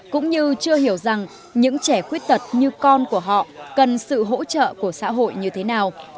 cũng như chưa hiểu rằng những trẻ khuyết tật như con của họ cần sự hỗ trợ của xã hội như thế nào